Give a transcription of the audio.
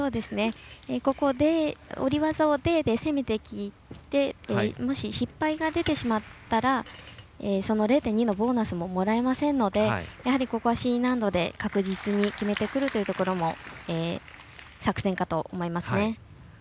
ここで下り技をＤで攻めてきてもし失敗が出てしまったらその０．２のボーナスももらえませんのでやはりここはＣ難度で確実に決めてくるというところも作戦かと思います。